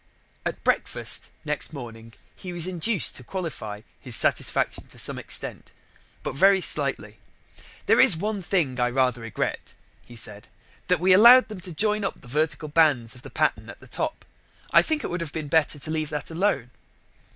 At breakfast next morning he was induced to qualify his satisfaction to some extent but very slightly. "There is one thing I rather regret," he said, "that we allowed them to join up the vertical bands of the pattern at the top. I think it would have been better to leave that alone."